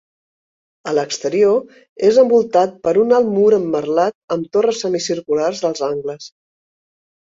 A l'exterior, és envoltat per un alt mur emmerletat amb torres semicirculars als angles.